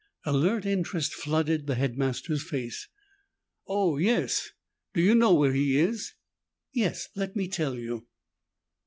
Alert interest flooded the headmaster's face. "Oh, yes. Do you know where he is?" "Yes. Let me tell you."